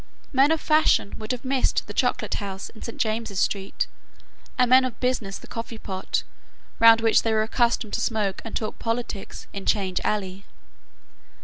Men of fashion would have missed the chocolate house in Saint James's Street, and men of business the coffee pot, round which they were accustomed to smoke and talk politics, in Change Alley.